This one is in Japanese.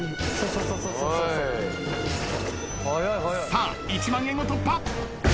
さあ１万円を突破。